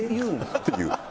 って言う。